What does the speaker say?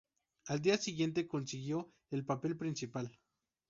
Al día siguiente, consiguió el papel principal.